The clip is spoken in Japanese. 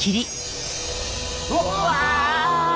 うわ！